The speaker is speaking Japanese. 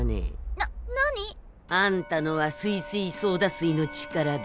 ななに？あんたのはすいすいソーダ水の力だ。